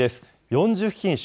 ４０品種